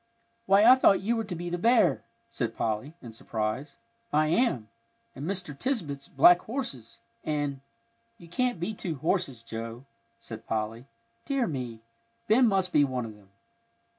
"Why, I thought you were to be the bear," said Polly, in surprise. "I am, and Mr. Tisbett's black horses, and " "You can't be two horses, Joe," said Polly. "Dear me. Ben must be one of them."